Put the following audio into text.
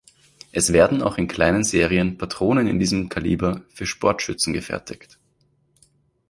Es werden auch in kleinen Serien Patronen in diesem Kaliber für Sportschützen gefertigt.